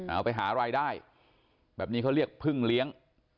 เอาไปหารายได้แบบนี้เขาเรียกพึ่งเลี้ยง